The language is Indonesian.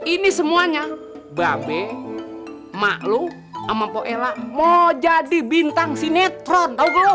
ini semuanya babe mak lu ama mba ella mau jadi bintang senetron tau gelo